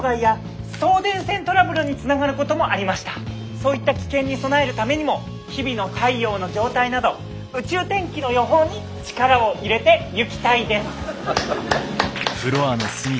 そういった危険に備えるためにも日々の太陽の状態など宇宙天気の予報に力を入れてゆきたいです。